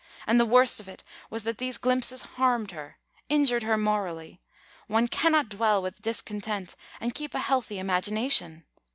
And the worst of it was that these glimpses harmed her, injured her morally. One cannot dwell with discontent and keep a healthy imagination.